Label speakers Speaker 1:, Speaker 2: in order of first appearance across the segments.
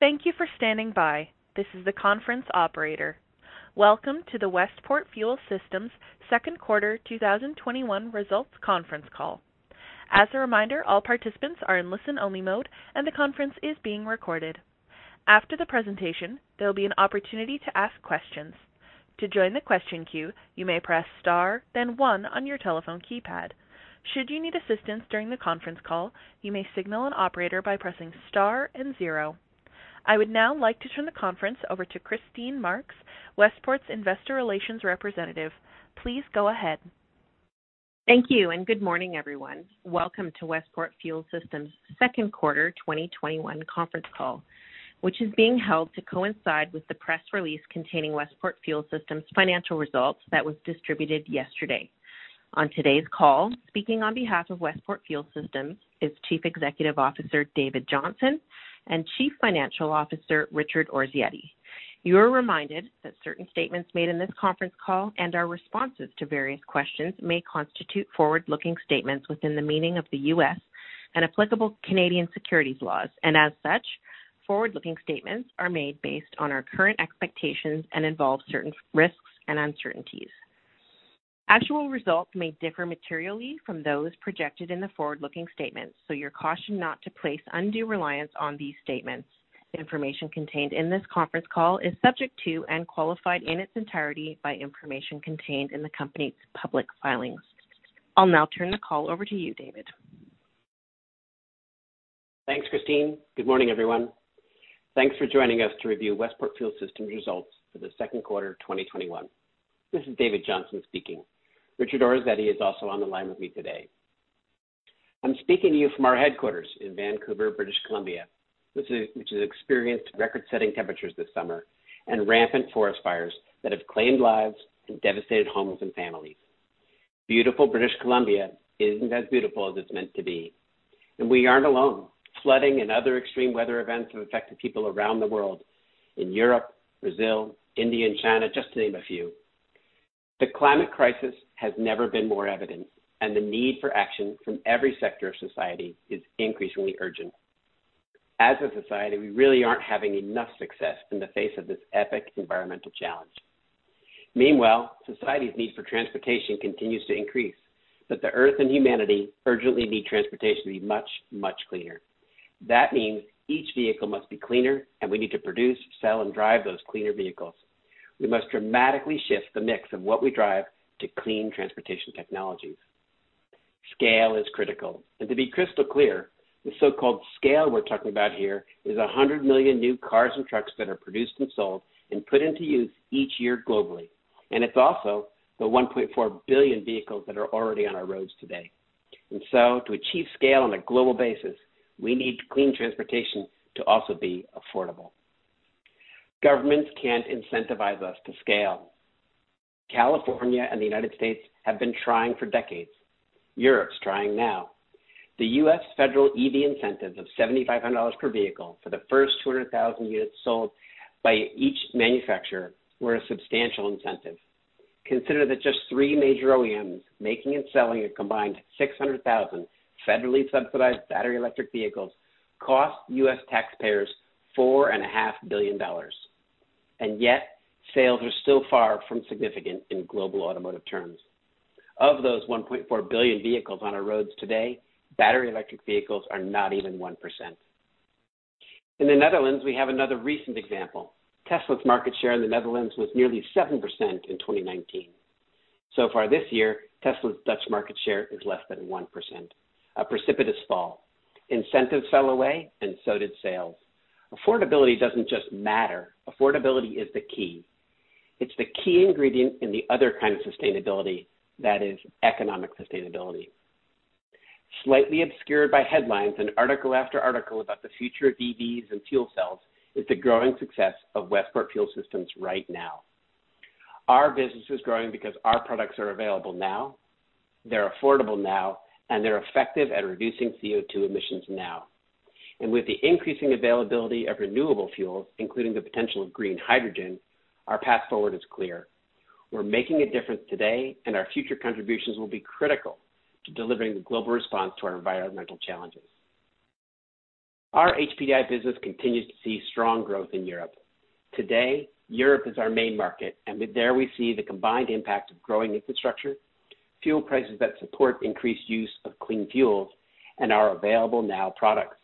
Speaker 1: Thank you for standing by. This is the conference operator. Welcome to the Westport Fuel Systems second quarter 2021 results conference call. As a reminder, all participants are in listen-only mode, and the conference is being recorded. After the presentation, there will be an opportunity to ask questions. To join the question queue, you may press star then one on your telephone keypad. Should you need assistance during the conference call, you may signal an operator by pressing star and zero. I would now like to turn the conference over to Christine Marks, Westport's Investor Relations representative. Please go ahead.
Speaker 2: Thank you, and good morning, everyone. Welcome to Westport Fuel Systems second quarter 2021 conference call, which is being held to coincide with the press release containing Westport Fuel Systems financial results that was distributed yesterday. On today's call, speaking on behalf of Westport Fuel Systems is Chief Executive Officer, David Johnson, and Chief Financial Officer, Richard Orazietti. You are reminded that certain statements made in this conference call and our responses to various questions may constitute forward-looking statements within the meaning of the U.S. and applicable Canadian securities laws, and as such, forward-looking statements are made based on our current expectations and involve certain risks and uncertainties. Actual results may differ materially from those projected in the forward-looking statements, so you're cautioned not to place undue reliance on these statements. The information contained in this conference call is subject to and qualified in its entirety by information contained in the company's public filings. I'll now turn the call over to you, David.
Speaker 3: Thanks, Christine. Good morning, everyone. Thanks for joining us to review Westport Fuel Systems results for the second quarter 2021. This is David Johnson speaking. Richard Orazietti is also on the line with me today. I'm speaking to you from our headquarters in Vancouver, British Columbia, which has experienced record-setting temperatures this summer and rampant forest fires that have claimed lives and devastated homes and families. Beautiful British Columbia isn't as beautiful as it's meant to be, and we aren't alone. Flooding and other extreme weather events have affected people around the world, in Europe, Brazil, India, and China, just to name a few. The climate crisis has never been more evident, and the need for action from every sector of society is increasingly urgent. As a society, we really aren't having enough success in the face of this epic environmental challenge. Meanwhile, society's need for transportation continues to increase, but the Earth and humanity urgently need transportation to be much, much cleaner. That means each vehicle must be cleaner, and we need to produce, sell, and drive those cleaner vehicles. We must dramatically shift the mix of what we drive to clean transportation technologies. Scale is critical, and to be crystal clear, the so-called scale we're talking about here is 100 million new cars and trucks that are produced and sold and put into use each year globally. It's also the 1.4 billion vehicles that are already on our roads today. To achieve scale on a global basis, we need clean transportation to also be affordable. Governments can't incentivize us to scale. California and the United States have been trying for decades. Europe's trying now. The U.S. federal EV incentives of $7,500 per vehicle for the first 200,000 units sold by each manufacturer were a substantial incentive. Consider that just three major OEMs making and selling a combined 600,000 federally subsidized battery electric vehicles cost U.S. taxpayers $4.5 billion. Yet, sales are still far from significant in global automotive terms. Of those 1.4 billion vehicles on our roads today, battery electric vehicles are not even 1%. In the Netherlands, we have another recent example. Tesla's market share in the Netherlands was nearly 7% in 2019. So far this year, Tesla's Dutch market share is less than 1%, a precipitous fall. Incentives fell away and so did sales. Affordability doesn't just matter. Affordability is the key. It's the key ingredient in the other kind of sustainability, that is economic sustainability. Slightly obscured by headlines and article after article about the future of EVs and fuel cells is the growing success of Westport Fuel Systems right now. Our business is growing because our products are available now, they're affordable now, and they're effective at reducing CO2 emissions now. With the increasing availability of renewable fuels, including the potential of green hydrogen, our path forward is clear. We're making a difference today, and our future contributions will be critical to delivering the global response to our environmental challenges. Our HPDI business continues to see strong growth in Europe. Today, Europe is our main market, and there we see the combined impact of growing infrastructure, fuel prices that support increased use of clean fuels, and our available now products.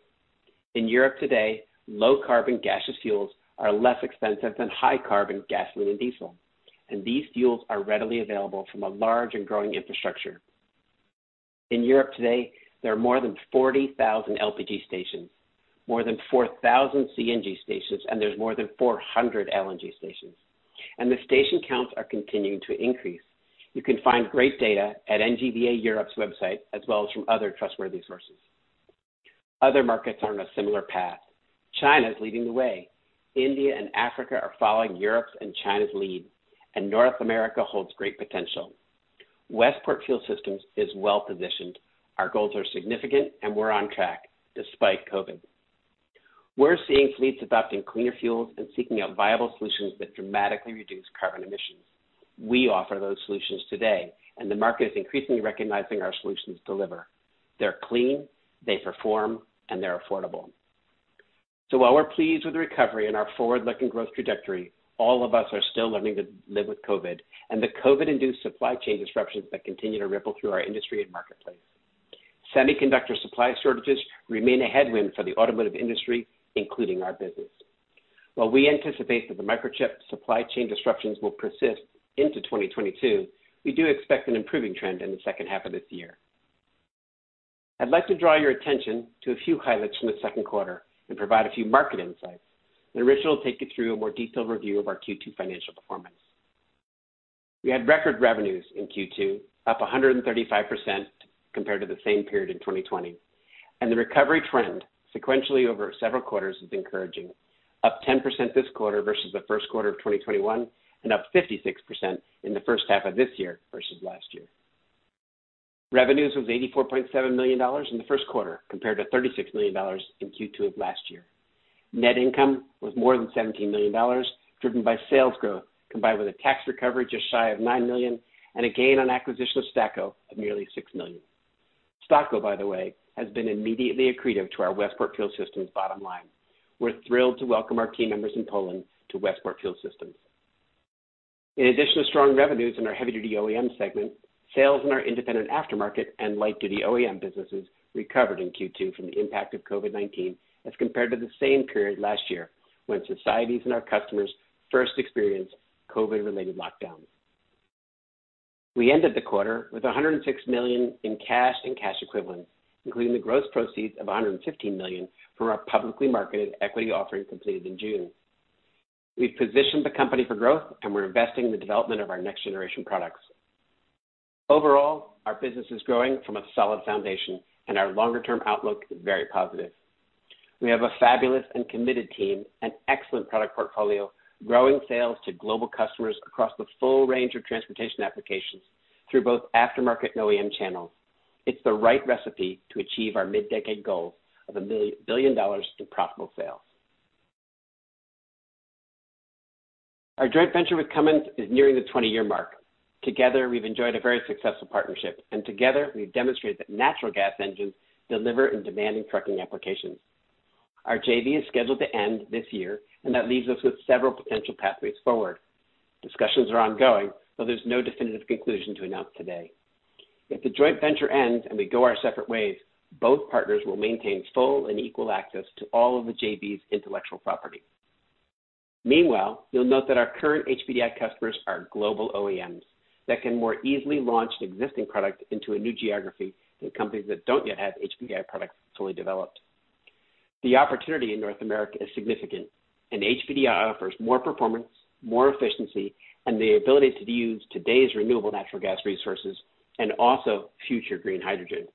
Speaker 3: In Europe today, low carbon gaseous fuels are less expensive than high carbon gasoline and diesel, and these fuels are readily available from a large and growing infrastructure. In Europe today, there are more than 40,000 LPG stations, more than 4,000 CNG stations, and there's more than 400 LNG stations. The station counts are continuing to increase. You can find great data at NGVA Europe's website, as well as from other trustworthy sources. Other markets are on a similar path. China is leading the way. India and Africa are following Europe's and China's lead, and North America holds great potential. Westport Fuel Systems is well-positioned. Our goals are significant, and we're on track despite COVID. We're seeing fleets adopting cleaner fuels and seeking out viable solutions that dramatically reduce carbon emissions. We offer those solutions today, and the market is increasingly recognizing our solutions deliver. They're clean, they perform, and they're affordable. While we're pleased with the recovery and our forward-looking growth trajectory, all of us are still learning to live with COVID and the COVID-induced supply chain disruptions that continue to ripple through our industry and marketplace. Semiconductor supply shortages remain a headwind for the automotive industry, including our business. While we anticipate that the microchip supply chain disruptions will persist into 2022, we do expect an improving trend in the second half of this year. I'd like to draw your attention to a few highlights from the second quarter and provide a few market insights. Rich will take you through a more detailed review of our Q2 financial performance. We had record revenues in Q2, up 135% compared to the same period in 2020, and the recovery trend sequentially over several quarters is encouraging. Up 10% this quarter versus the first quarter of 2021, and up 56% in the first half of this year versus last year. Revenues was $84.7 million in the second quarter, compared to $36 million in Q2 of last year. Net income was more than $17 million, driven by sales growth, combined with a tax recovery just shy of $9 million and a gain on acquisition of STAKO of nearly $6 million. STAKO, by the way, has been immediately accretive to our Westport Fuel Systems bottom line. We're thrilled to welcome our team members in Poland to Westport Fuel Systems. In addition to strong revenues in our heavy-duty OEM segment, sales in our independent aftermarket and light-duty OEM businesses recovered in Q2 from the impact of COVID-19 as compared to the same period last year, when societies and our customers first experienced COVID-related lockdowns. We ended the quarter with $106 million in cash and cash equivalents, including the gross proceeds of $115 million from our publicly marketed equity offering completed in June. We've positioned the company for growth, and we're investing in the development of our next generation products. Overall, our business is growing from a solid foundation, and our longer-term outlook is very positive. We have a fabulous and committed team, an excellent product portfolio, growing sales to global customers across the full range of transportation applications through both aftermarket and OEM channels. It's the right recipe to achieve our mid-decade goal of $1 billion in profitable sales. Our joint venture with Cummins is nearing the 20-year mark. Together, we've enjoyed a very successful partnership, and together, we've demonstrated that natural gas engines deliver in demanding trucking applications. Our JV is scheduled to end this year, and that leaves us with several potential pathways forward. Discussions are ongoing, though there's no definitive conclusion to announce today. If the joint venture ends and we go our separate ways, both partners will maintain full and equal access to all of the JV's intellectual property. Meanwhile, you'll note that our current HPDI customers are global OEMs that can more easily launch an existing product into a new geography than companies that don't yet have HPDI products fully developed. The opportunity in North America is significant, and HPDI offers more performance, more efficiency, and the ability to use today's renewable natural gas resources and also future green hydrogen.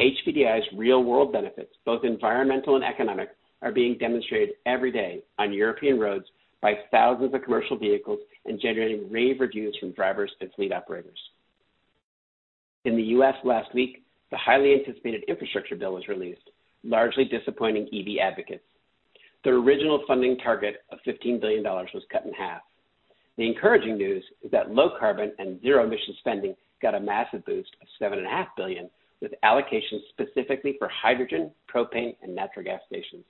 Speaker 3: HPDI's real-world benefits, both environmental and economic, are being demonstrated every day on European roads by thousands of commercial vehicles and generating rave reviews from drivers and fleet operators. In the U.S. last week, the highly anticipated infrastructure bill was released, largely disappointing EV advocates. The original funding target of $15 billion was cut in half. The encouraging news is that low carbon and zero emission spending got a massive boost of $7.5 billion, with allocations specifically for hydrogen, propane, and natural gas stations.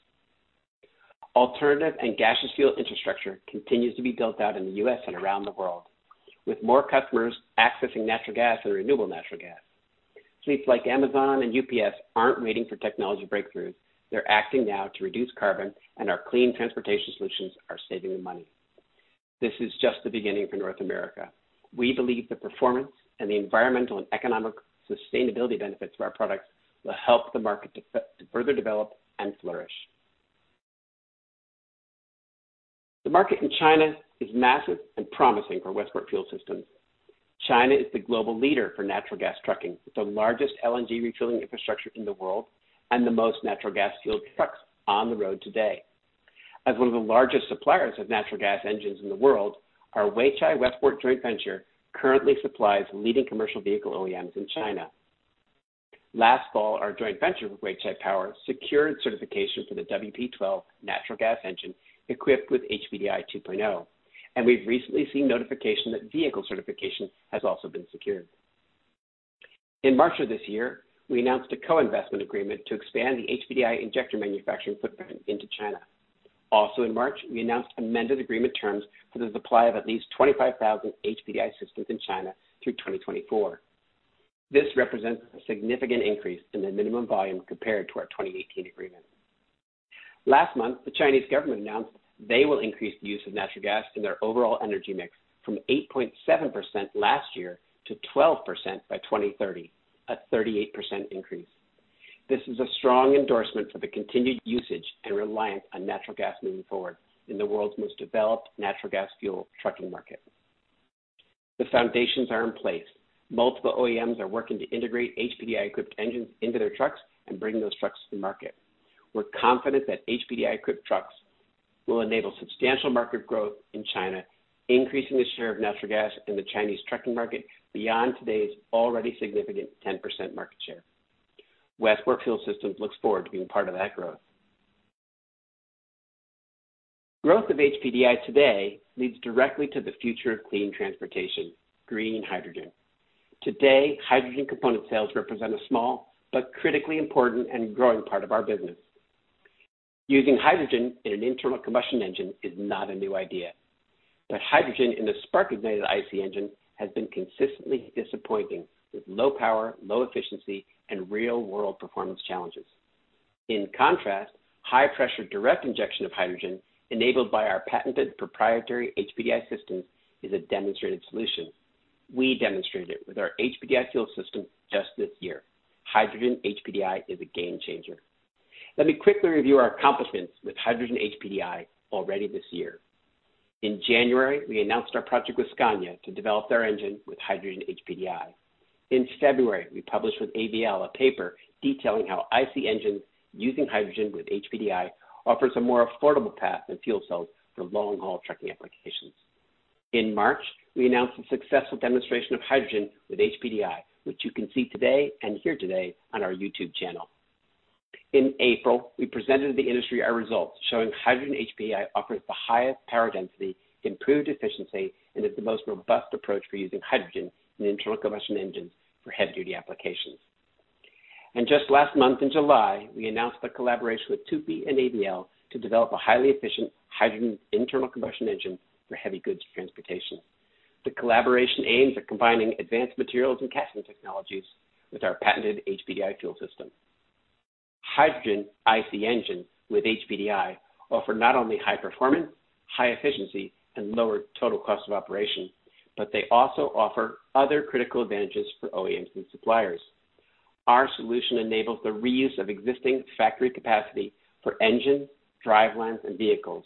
Speaker 3: Alternative and gaseous fuel infrastructure continues to be built out in the U.S. and around the world, with more customers accessing natural gas and renewable natural gas. Fleets like Amazon and UPS aren't waiting for technology breakthroughs. They're acting now to reduce carbon, and our clean transportation solutions are saving them money. This is just the beginning for North America. We believe the performance and the environmental and economic sustainability benefits of our products will help the market to further develop and flourish. The market in China is massive and promising for Westport Fuel Systems. China is the global leader for natural gas trucking. It's the largest LNG refueling infrastructure in the world and the most natural gas fueled trucks on the road today. As one of the largest suppliers of natural gas engines in the world, our Weichai Westport joint venture currently supplies leading commercial vehicle OEMs in China. Last fall, our joint venture with Weichai Power secured certification for the WP12 natural gas engine equipped with HPDI 2.0, and we've recently seen notification that vehicle certification has also been secured. In March of this year, we announced a co-investment agreement to expand the HPDI injector manufacturing footprint into China. Also in March, we announced amended agreement terms for the supply of at least 25,000 HPDI systems in China through 2024. This represents a significant increase in the minimum volume compared to our 2018 agreement. Last month, the Chinese government announced they will increase the use of natural gas in their overall energy mix from 8.7% last year to 12% by 2030, a 38% increase. This is a strong endorsement for the continued usage and reliance on natural gas moving forward in the world's most developed natural gas fuel trucking market. The foundations are in place. Multiple OEMs are working to integrate HPDI-equipped engines into their trucks and bring those trucks to market. We're confident that HPDI-equipped trucks will enable substantial market growth in China, increasing the share of natural gas in the Chinese trucking market beyond today's already significant 10% market share. Westport Fuel Systems looks forward to being part of that growth. Growth of HPDI today leads directly to the future of clean transportation, green hydrogen. Today, hydrogen component sales represent a small but critically important and growing part of our business. Using hydrogen in an internal combustion engine is not a new idea. Hydrogen in the spark-ignited IC engine has been consistently disappointing, with low power, low efficiency, and real-world performance challenges. In contrast, high pressure direct injection of hydrogen, enabled by our patented proprietary HPDI systems, is a demonstrated solution. We demonstrated it with our HPDI fuel system just this year. Hydrogen HPDI is a game changer. Let me quickly review our accomplishments with hydrogen HPDI already this year. In January, we announced our project with Scania to develop their engine with hydrogen HPDI. In February, we published with AVL a paper detailing how IC engines using hydrogen with HPDI offers a more affordable path than fuel cells for long-haul trucking applications. In March, we announced the successful demonstration of hydrogen with HPDI, which you can see today and hear today on our YouTube channel. In April, we presented to the industry our results, showing hydrogen HPDI offers the highest power density, improved efficiency, and is the most robust approach for using hydrogen in internal combustion engines for heavy duty applications. Just last month in July, we announced a collaboration with Tupy and AVL to develop a highly efficient hydrogen internal combustion engine for heavy goods transportation. The collaboration aims at combining advanced materials and casting technologies with our patented HPDI fuel system. Hydrogen IC engines with HPDI offer not only high performance, high efficiency, and lower total cost of operation, but they also offer other critical advantages for OEMs and suppliers. Our solution enables the reuse of existing factory capacity for engine, drivelines, and vehicles.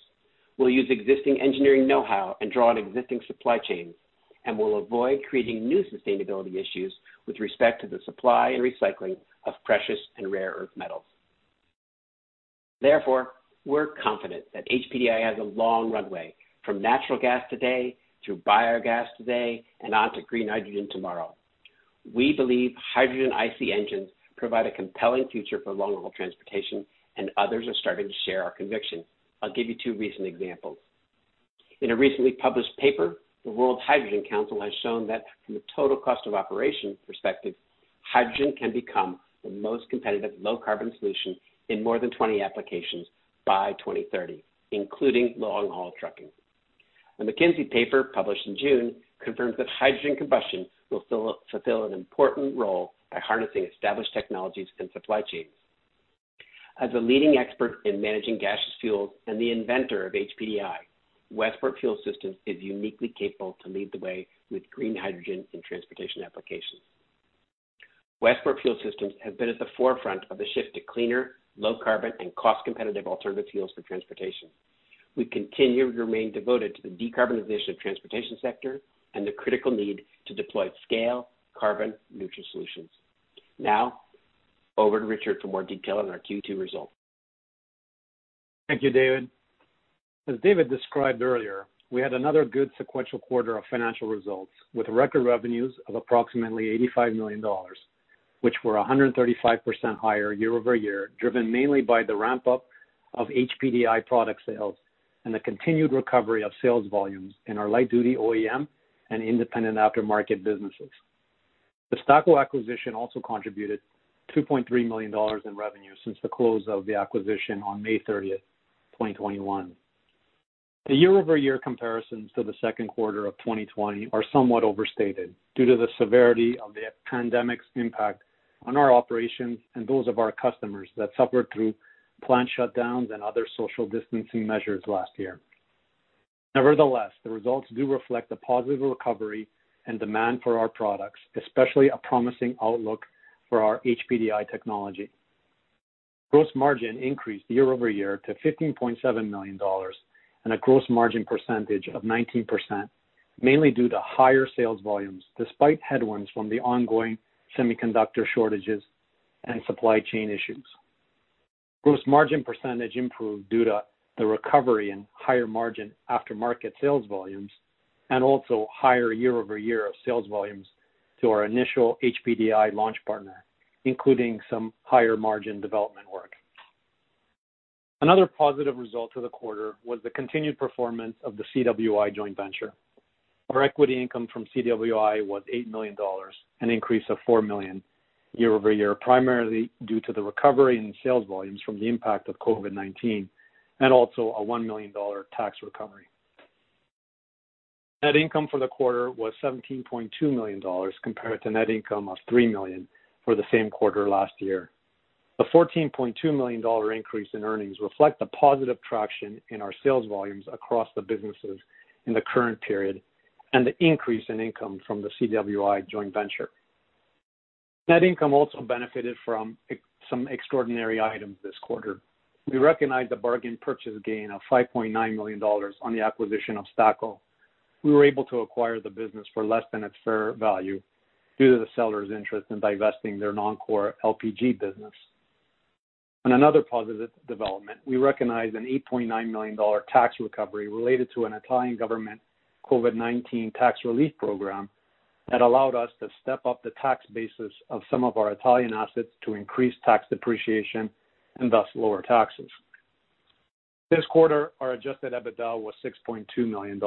Speaker 3: We'll use existing engineering know-how and draw on existing supply chains, and we'll avoid creating new sustainability issues with respect to the supply and recycling of precious and rare earth metals. Therefore, we're confident that HPDI has a long runway, from natural gas today, through biogas today, and on to green hydrogen tomorrow. We believe hydrogen IC engines provide a compelling future for long-haul transportation, and others are starting to share our conviction. I'll give you two recent examples. In a recently published paper, the Hydrogen Council has shown that from the total cost of operation perspective, hydrogen can become the most competitive low carbon solution in more than 20 applications by 2030, including long-haul trucking. A McKinsey paper published in June confirms that hydrogen combustion will fulfill an important role by harnessing established technologies and supply chains. As a leading expert in managing gaseous fuels and the inventor of HPDI, Westport Fuel Systems is uniquely capable to lead the way with green hydrogen in transportation applications. Westport Fuel Systems has been at the forefront of the shift to cleaner, low carbon, and cost competitive alternative fuels for transportation. We continue to remain devoted to the decarbonization of transportation sector and the critical need to deploy at scale carbon neutral solutions. Now, over to Richard for more detail on our Q2 results.
Speaker 4: Thank you, David. As David described earlier, we had another good sequential quarter of financial results, with record revenues of approximately $85 million, which were 135% higher year-over-year, driven mainly by the ramp-up of HPDI product sales and the continued recovery of sales volumes in our light-duty OEM and independent aftermarket businesses. The STAKO acquisition also contributed $2.3 million in revenue since the close of the acquisition on May 30th, 2021. The year-over-year comparisons to the second quarter of 2020 are somewhat overstated due to the severity of the pandemic's impact on our operations and those of our customers that suffered through plant shutdowns and other social distancing measures last year. Nevertheless, the results do reflect the positive recovery and demand for our products, especially a promising outlook for our HPDI technology. Gross margin increased year-over-year to $15.7 million, and a gross margin percentage of 19%, mainly due to higher sales volumes, despite headwinds from the ongoing semiconductor shortages and supply chain issues. Gross margin percentage improved due to the recovery in higher margin aftermarket sales volumes, and also higher year-over-year sales volumes to our initial HPDI launch partner, including some higher margin development work. Another positive result for the quarter was the continued performance of the CWI joint venture. Our equity income from CWI was $8 million, an increase of $4 million year-over-year, primarily due to the recovery in sales volumes from the impact of COVID-19, and also a $1 million tax recovery. Net income for the quarter was $17.2 million compared to net income of $3 million for the same quarter last year. The $14.2 million increase in earnings reflect the positive traction in our sales volumes across the businesses in the current period and the increase in income from the CWI joint venture. Net income also benefited from some extraordinary items this quarter. We recognized a bargain purchase gain of $5.9 million on the acquisition of STAKO. We were able to acquire the business for less than its fair value due to the seller's interest in divesting their non-core LPG business. On another positive development, we recognized an $8.9 million tax recovery related to an Italian government COVID-19 tax relief program. That allowed us to step up the tax basis of some of our Italian assets to increase tax depreciation and thus lower taxes. This quarter, our adjusted EBITDA was $6.2 million,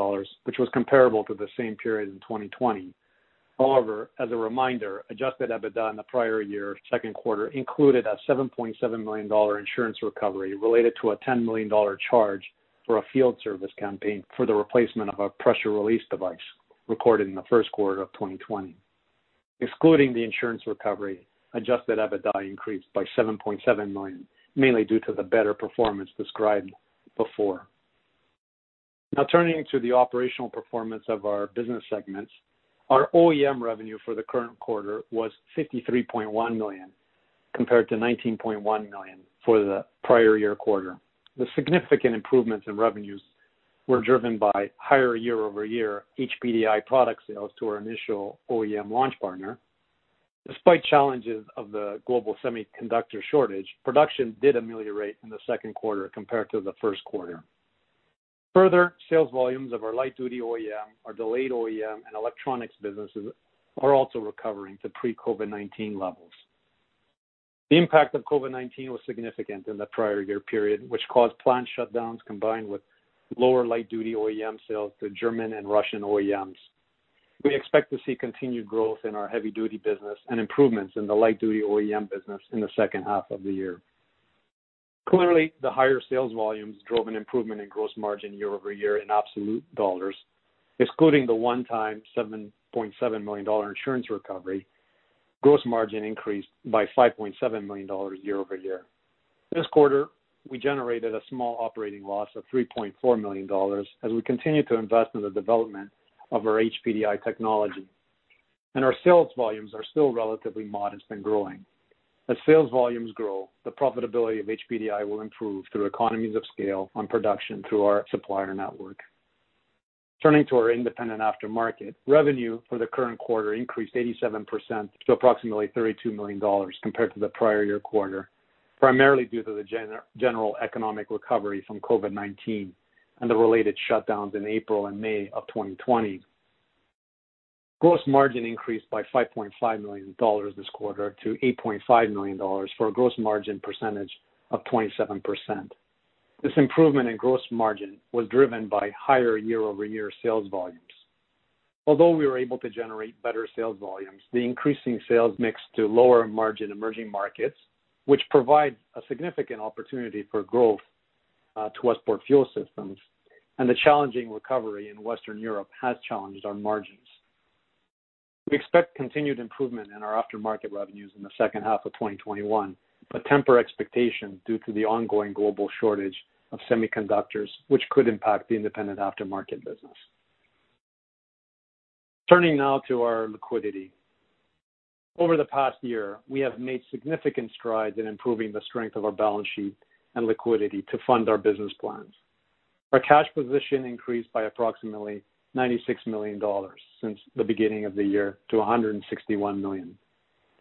Speaker 4: which was comparable to the same period in 2020. However, as a reminder, adjusted EBITDA in the prior year second quarter included a $7.7 million insurance recovery related to a $10 million charge for a field service campaign for the replacement of a pressure release device recorded in the first quarter of 2020. Excluding the insurance recovery, adjusted EBITDA increased by $7.7 million, mainly due to the better performance described before. Now turning to the operational performance of our business segments. Our OEM revenue for the current quarter was $53.1 million, compared to $19.1 million for the prior year quarter. The significant improvements in revenues were driven by higher year-over-year HPDI product sales to our initial OEM launch partner. Despite challenges of the global semiconductor shortage, production did ameliorate in the second quarter compared to the first quarter. Further sales volumes of our light-duty OEM, our delayed OEM, and electronics businesses are also recovering to pre-COVID-19 levels. The impact of COVID-19 was significant in the prior year period, which caused plant shutdowns combined with lower light duty OEM sales to German and Russian OEMs. We expect to see continued growth in our heavy duty business and improvements in the light duty OEM business in the second half of the year. Clearly, the higher sales volumes drove an improvement in gross margin year-over-year in absolute dollars, excluding the one-time $7.7 million insurance recovery. Gross margin increased by $5.7 million year-over-year. This quarter, we generated a small operating loss of $3.4 million as we continue to invest in the development of our HPDI technology. Our sales volumes are still relatively modest and growing. As sales volumes grow, the profitability of HPDI will improve through economies of scale on production through our supplier network. Turning to our independent aftermarket. Revenue for the current quarter increased 87% to approximately $32 million compared to the prior year quarter, primarily due to the general economic recovery from COVID-19 and the related shutdowns in April and May of 2020. Gross margin increased by $5.5 million this quarter to $8.5 million, for a gross margin percentage of 27%. This improvement in gross margin was driven by higher year-over-year sales volumes. Although we were able to generate better sales volumes, the increasing sales mix to lower margin emerging markets, which provides a significant opportunity for growth to Westport Fuel Systems, and the challenging recovery in Western Europe has challenged our margins. We expect continued improvement in our aftermarket revenues in the second half of 2021, but temper expectations due to the ongoing global shortage of semiconductors, which could impact the independent aftermarket business. Turning now to our liquidity. Over the past year, we have made significant strides in improving the strength of our balance sheet and liquidity to fund our business plans. Our cash position increased by approximately $96 million since the beginning of the year to $161 million.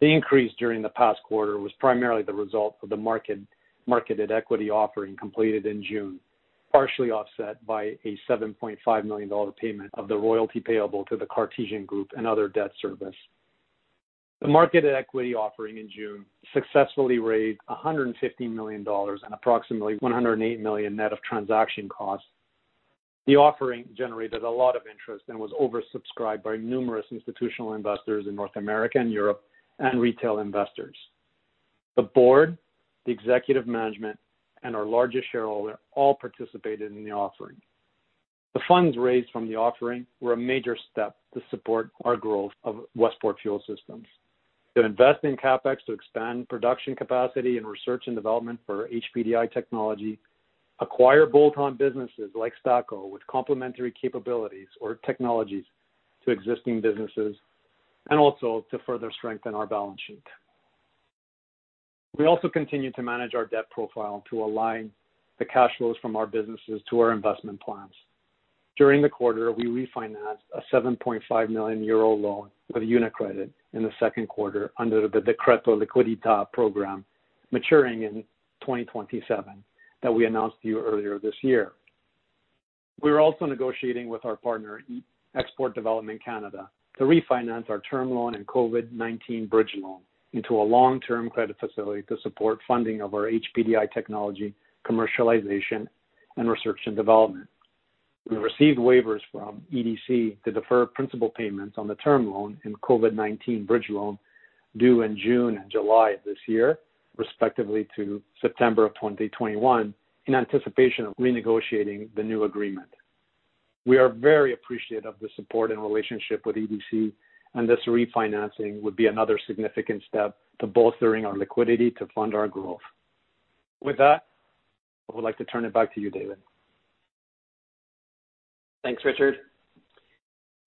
Speaker 4: The increase during the past quarter was primarily the result of the marketed equity offering completed in June, partially offset by a $7.5 million payment of the royalty payable to the Cartesian Group and other debt service. The marketed equity offering in June successfully raised $150 million and approximately $108 million net of transaction costs. The offering generated a lot of interest and was oversubscribed by numerous institutional investors in North America and Europe and retail investors. The board, the executive management, and our largest shareholder all participated in the offering. The funds raised from the offering were a major step to support our growth of Westport Fuel Systems, to invest in CapEx to expand production capacity and research and development for HPDI technology, acquire bolt-on businesses like STAKO with complementary capabilities or technologies to existing businesses, and also to further strengthen our balance sheet. We also continue to manage our debt profile to align the cash flows from our businesses to our investment plans. During the quarter, we refinanced a 7.5 million euro loan with UniCredit in the second quarter under the Decreto Liquidità program maturing in 2027 that we announced to you earlier this year. We are also negotiating with our partner, Export Development Canada, to refinance our term loan and COVID-19 bridge loan into a long-term credit facility to support funding of our HPDI technology commercialization and research and development. We received waivers from EDC to defer principal payments on the term loan and COVID-19 bridge loan due in June and July of this year, respectively, to September of 2021 in anticipation of renegotiating the new agreement. We are very appreciative of the support and relationship with EDC, and this refinancing would be another significant step to bolstering our liquidity to fund our growth. With that, I would like to turn it back to you, David.
Speaker 3: Thanks, Richard.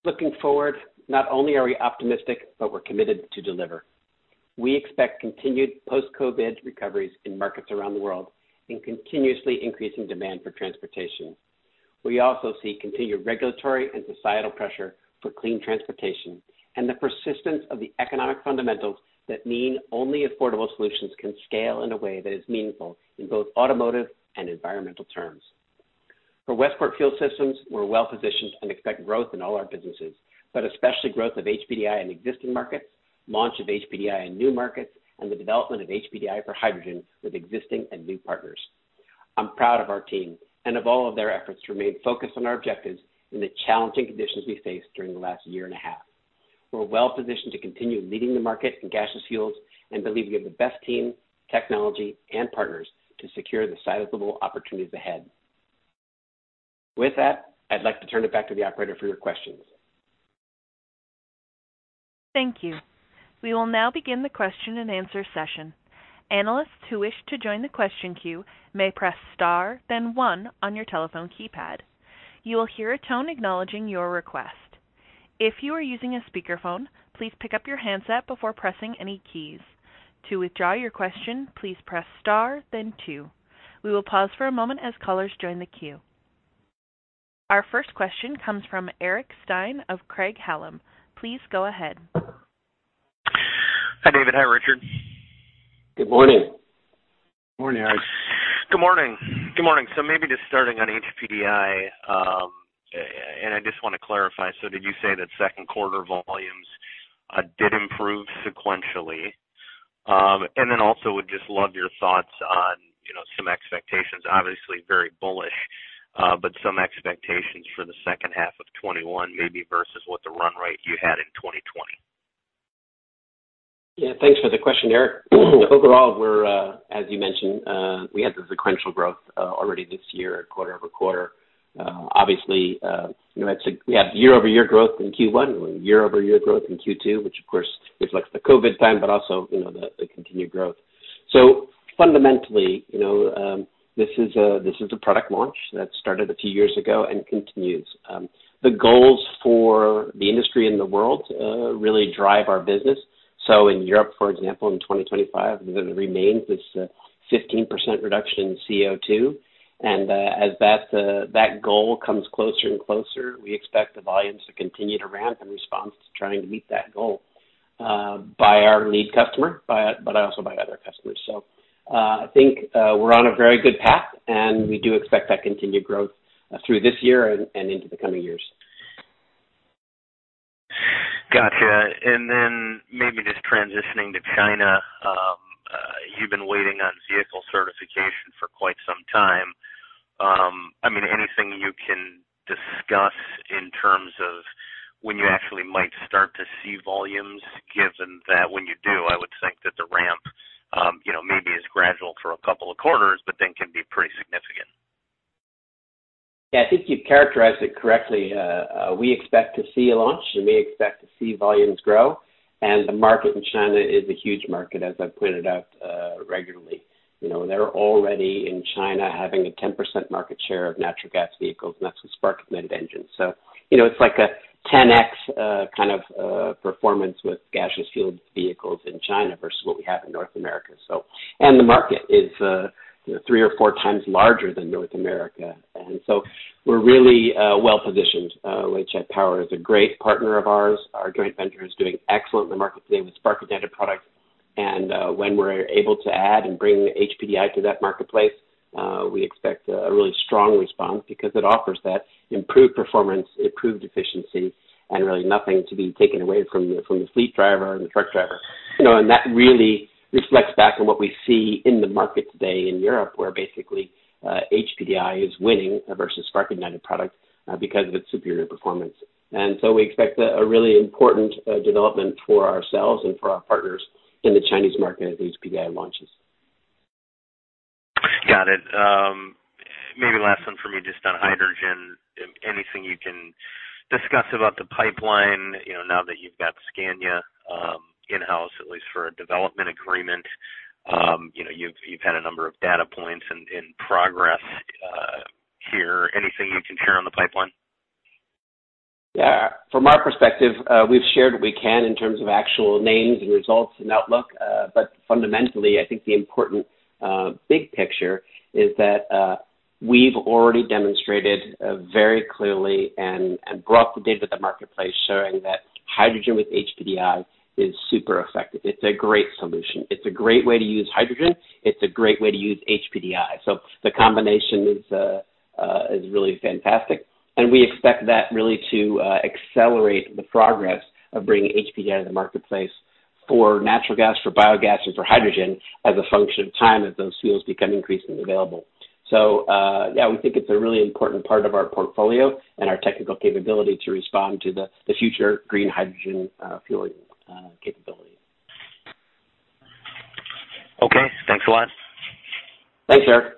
Speaker 3: Looking forward, not only are we optimistic, but we're committed to deliver. We expect continued post-COVID recoveries in markets around the world and continuously increasing demand for transportation. We also see continued regulatory and societal pressure for clean transportation and the persistence of the economic fundamentals that mean only affordable solutions can scale in a way that is meaningful in both automotive and environmental terms. For Westport Fuel Systems, we're well-positioned and expect growth in all our businesses, but especially growth of HPDI in existing markets, launch of HPDI in new markets, and the development of HPDI for hydrogen with existing and new partners. I'm proud of our team and of all of their efforts to remain focused on our objectives in the challenging conditions we faced during the last year and a half. We're well-positioned to continue leading the market in gaseous fuels and believe we have the best team, technology, and partners to secure the sizable opportunities ahead. With that, I'd like to turn it back to the operator for your questions.
Speaker 1: Thank you. We will now begin the question and answer session. Analysts who wish to join the question queue may press star then one on your telephone keypad. You will hear a tone acknowledging your request. If you are using a speakerphone, please pick up your handset before pressing any keys. To withdraw your question, please press star then two. We will pause for a moment as callers join the queue. Our first question comes from Eric Stine of Craig-Hallum. Please go ahead.
Speaker 5: Hi, David. Hi, Richard.
Speaker 3: Good morning.
Speaker 4: Morning, Eric.
Speaker 5: Good morning. Maybe just starting on HPDI, and I just want to clarify, so did you say that second quarter volumes did improve sequentially? Also would just love your thoughts on some expectations, obviously very bullish, but some expectations for the second half of 2021 maybe versus what the run rate you had in 2020.
Speaker 3: Yeah. Thanks for the question, Eric. Overall, as you mentioned, we had the sequential growth already this year, quarter-over-quarter. Obviously, we had year-over-year growth in Q1 and year-over-year growth in Q2, which of course reflects the COVID time, but also the continued growth. Fundamentally, this is a product launch that started a few years ago and continues. The goals for the industry and the world really drive our business. In Europe, for example, in 2025, it remains this 15% reduction in CO2, and as that goal comes closer and closer, we expect the volumes to continue to ramp in response to trying to meet that goal, by our lead customer, but also by other customers. I think, we're on a very good path, and we do expect that continued growth through this year and into the coming years.
Speaker 5: Got you. Maybe just transitioning to China. You've been waiting on vehicle certification for quite some time. Anything you can discuss in terms of when you actually might start to see volumes, given that when you do, I would think that the ramp maybe is gradual for a couple of quarters but then can be pretty significant?
Speaker 3: Yeah. I think you've characterized it correctly. We expect to see a launch, and we expect to see volumes grow, and the market in China is a huge market, as I've pointed out regularly. They're already in China having a 10% market share of natural gas vehicles, and that's with spark-ignited engines. It's like a 10x kind of performance with gaseous fueled vehicles in China versus what we have in North America. The market is three or four times larger than North America, and so we're really well-positioned. Weichai Power is a great partner of ours. Our joint venture is doing excellent in the market today with spark-ignited products. When we're able to add and bring HPDI to that marketplace, we expect a really strong response because it offers that improved performance, improved efficiency, and really nothing to be taken away from the fleet driver and the truck driver. That really reflects back on what we see in the market today in Europe, where basically HPDI is winning versus spark-ignited product because of its superior performance. We expect a really important development for ourselves and for our partners in the Chinese market as HPDI launches.
Speaker 5: Got it. Maybe last one for me, just on hydrogen. Anything you can discuss about the pipeline now that you've got Scania in-house, at least for a development agreement? You've had a number of data points and progress here. Anything you can share on the pipeline?
Speaker 3: Yeah. From our perspective, we've shared what we can in terms of actual names and results and outlook. Fundamentally, I think the important big picture is that we've already demonstrated very clearly and brought the data to the marketplace showing that hydrogen with HPDI is super effective. It's a great solution. It's a great way to use hydrogen. It's a great way to use HPDI. The combination is really fantastic, and we expect that really to accelerate the progress of bringing HPDI to the marketplace for natural gas, for biogas, and for hydrogen as a function of time as those fuels become increasingly available. Yeah, we think it's a really important part of our portfolio and our technical capability to respond to the future green hydrogen fuel capability.
Speaker 5: Okay. Thanks a lot.
Speaker 3: Thanks, Eric.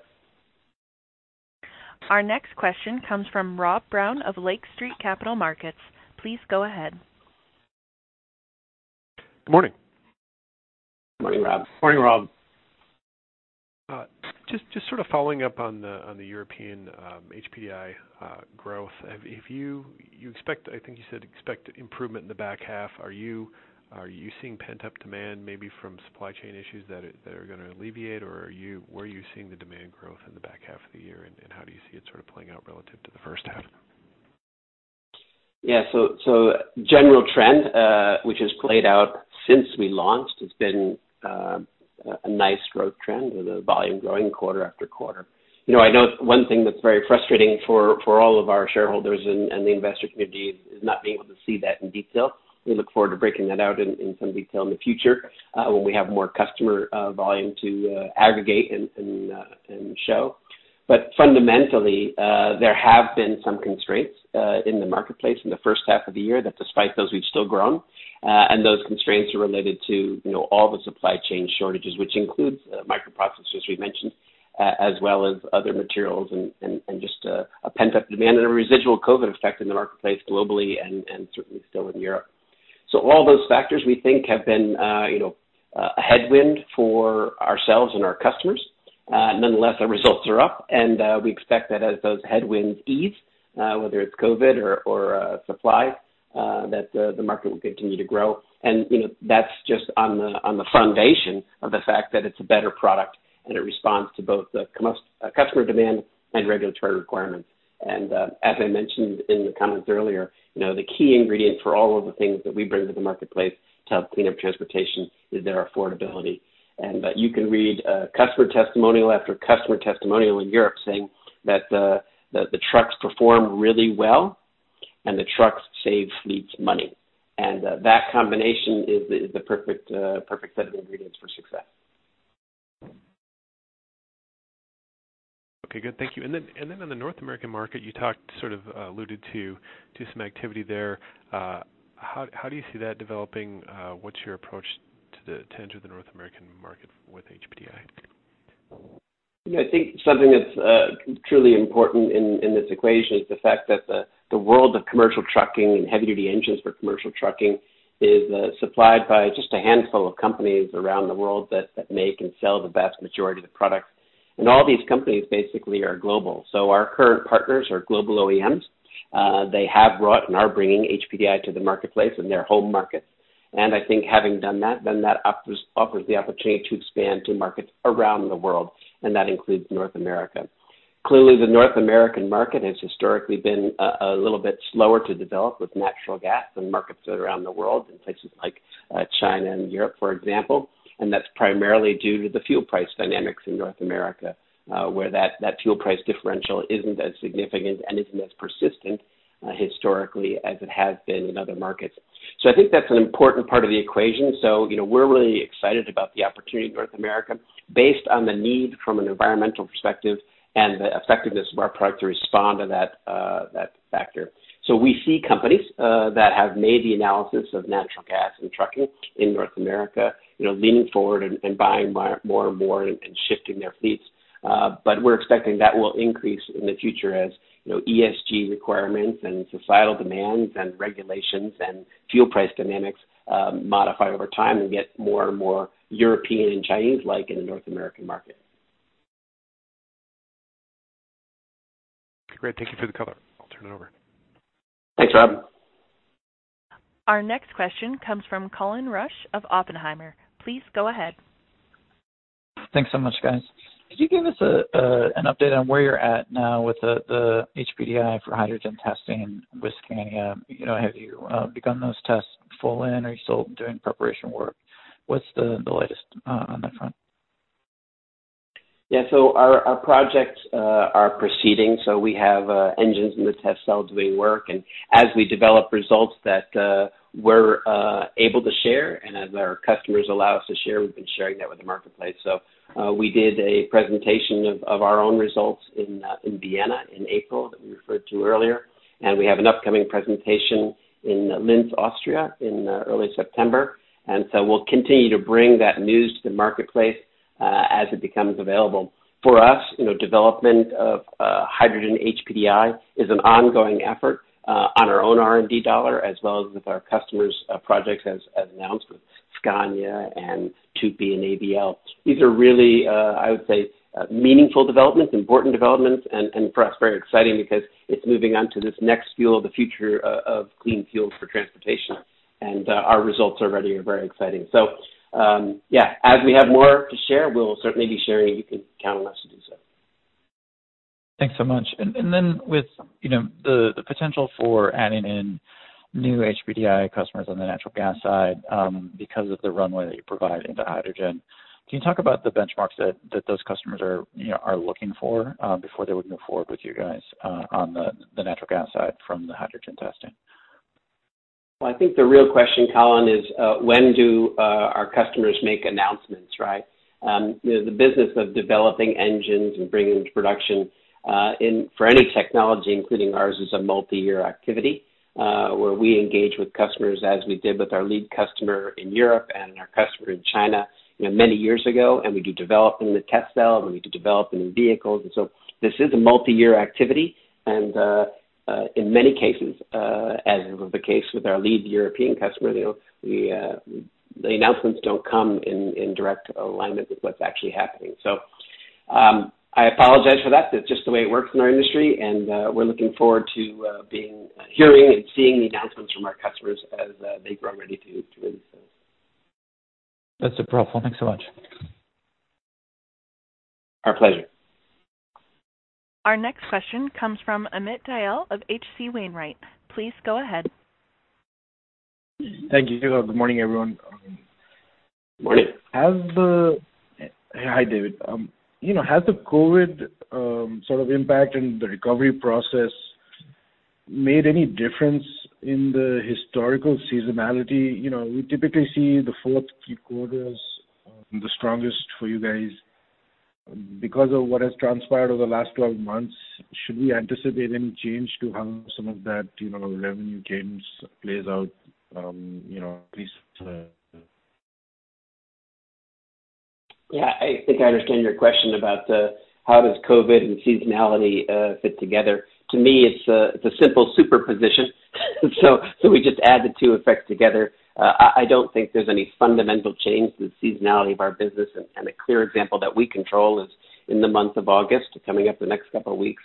Speaker 1: Our next question comes from Rob Brown of Lake Street Capital Markets. Please go ahead.
Speaker 6: Good morning.
Speaker 3: Morning, Rob.
Speaker 4: Morning, Rob.
Speaker 6: Just sort of following up on the European HPDI growth. I think you said expect improvement in the back half. Are you seeing pent-up demand maybe from supply chain issues that are gonna alleviate, or were you seeing the demand growth in the back half of the year, and how do you see it sort of playing out relative to the first half?
Speaker 3: Yeah. General trend, which has played out since we launched, has been a nice growth trend with the volume growing quarter after quarter. I know one thing that's very frustrating for all of our shareholders and the investor community is not being able to see that in detail. We look forward to breaking that out in some detail in the future when we have more customer volume to aggregate and show. Fundamentally, there have been some constraints in the marketplace in the first half of the year that despite those, we've still grown. Those constraints are related to all the supply chain shortages, which includes microprocessors we mentioned, as well as other materials and just a pent-up demand and a residual COVID effect in the marketplace globally and certainly still in Europe. All those factors we think have been a headwind for ourselves and our customers. Nonetheless, our results are up, and we expect that as those headwinds ease, whether it's COVID or supply, that the market will continue to grow. That's just on the foundation of the fact that it's a better product and it responds to both the customer demand and regulatory requirements. As I mentioned in the comments earlier, the key ingredient for all of the things that we bring to the marketplace to help clean up transportation is their affordability. You can read customer testimonial after customer testimonial in Europe saying that the trucks perform really well and the trucks save fleets money. That combination is the perfect set of ingredients for success.
Speaker 6: Okay, good. Thank you. In the North American market, you sort of alluded to some activity there. How do you see that developing? What's your approach to enter the North American market with HPDI?
Speaker 3: Yeah, I think something that's truly important in this equation is the fact that the world of commercial trucking and heavy duty engines for commercial trucking is supplied by just a handful of companies around the world that make and sell the vast majority of the products. All these companies basically are global. Our current partners are global OEMs. They have brought and are bringing HPDI to the marketplace in their home markets. I think having done that, then that offers the opportunity to expand to markets around the world, and that includes North America. Clearly, the North American market has historically been a little bit slower to develop with natural gas than markets around the world in places like China and Europe, for example. That's primarily due to the fuel price dynamics in North America, where that fuel price differential isn't as significant and isn't as persistent historically as it has been in other markets. I think that's an important part of the equation. We're really excited about the opportunity in North America based on the need from an environmental perspective and the effectiveness of our product to respond to that factor. We see companies that have made the analysis of natural gas and trucking in North America leaning forward and buying more and more and shifting their fleets. We're expecting that will increase in the future as ESG requirements and societal demands and regulations and fuel price dynamics modify over time and get more and more European and Chinese-like in the North American market.
Speaker 6: Great. Thank you for the color. I'll turn it over.
Speaker 3: Thanks, Rob.
Speaker 1: Our next question comes from Colin Rusch of Oppenheimer. Please go ahead.
Speaker 7: Thanks so much, guys. Could you give us an update on where you're at now with the HPDI for hydrogen testing with Scania? Have you begun those tests full in? Are you still doing preparation work? What's the latest on that front?
Speaker 3: Yeah. Our projects are proceeding. We have engines in the test cells doing work. As we develop results that we're able to share and as our customers allow us to share, we've been sharing that with the marketplace. We did a presentation of our own results in Vienna in April that we referred to earlier, and we have an upcoming presentation in Linz, Austria in early September. We'll continue to bring that news to the marketplace as it becomes available. For us, development of hydrogen HPDI is an ongoing effort on our own R&D dollar as well as with our customers' projects, as announced with Scania and Tupy and AVL. These are really, I would say, meaningful developments, important developments, and for us, very exciting because it's moving on to this next fuel, the future of clean fuel for transportation. Our results already are very exciting. Yeah, as we have more to share, we'll certainly be sharing. You can count on us to do so.
Speaker 7: Thanks so much. With the potential for adding in new HPDI customers on the natural gas side because of the runway that you provide into hydrogen, can you talk about the benchmarks that those customers are looking for before they would move forward with you guys on the natural gas side from the hydrogen testing?
Speaker 3: Well, I think the real question, Colin, is when do our customers make announcements, right? The business of developing engines and bringing them to production for any technology, including ours, is a multi-year activity where we engage with customers as we did with our lead customer in Europe and our customer in China many years ago. We do develop in the test cell, and we do develop in the vehicles. This is a multi-year activity. In many cases, as was the case with our lead European customer deal, the announcements don't come in direct alignment with what's actually happening. I apologize for that. That's just the way it works in our industry, and we're looking forward to hearing and seeing the announcements from our customers as they grow ready to release those.
Speaker 7: That's no problem. Thanks so much.
Speaker 3: Our pleasure.
Speaker 1: Our next question comes from Amit Dayal of H.C. Wainwright. Please go ahead.
Speaker 8: Thank you. Good morning, everyone.
Speaker 3: Morning.
Speaker 8: Hi, David. Has the COVID sort of impact and the recovery process made any difference in the historical seasonality? We typically see the fourth quarters the strongest for you guys. Because of what has transpired over the last 12 months, should we anticipate any change to how some of that revenue gains plays out at least?
Speaker 3: Yeah, I think I understand your question about how does COVID and seasonality fit together. To me, it's a simple superposition. We just add the two effects together. I don't think there's any fundamental change in the seasonality of our business, and a clear example that we control is in the month of August, coming up the next couple of weeks,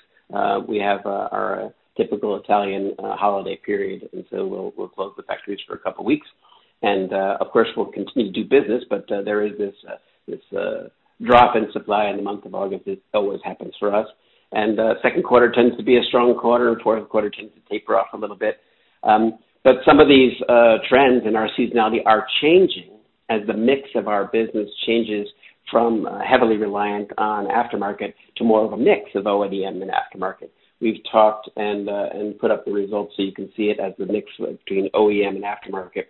Speaker 3: we have our typical Italian holiday period, and so we'll close the factories for a couple of weeks. Of course, we'll continue to do business, but there is this drop in supply in the month of August that always happens for us. Second quarter tends to be a strong quarter. Fourth quarter tends to taper off a little bit. Some of these trends in our seasonality are changing as the mix of our business changes from heavily reliant on aftermarket to more of a mix of OEM and aftermarket. We've talked and put up the results, so you can see it as the mix between OEM and aftermarket.